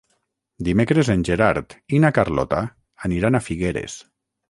Dimecres en Gerard i na Carlota aniran a Figueres.